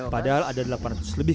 padahal ada delapan ratus lebih